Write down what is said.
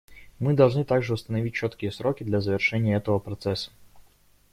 Мы должны также установить четкие сроки для завершения этого процесса.